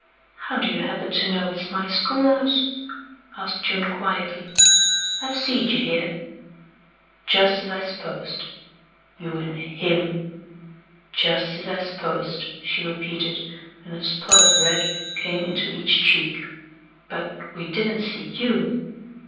"How do you happen to know hit's my school house?" asked June quietly. "I've seed you hyeh." "Jus' as I s'posed." "You an' HIM." "Jus' as I s'posed," she repeated, and a spot of red came into each cheek. "But we didn't see YOU."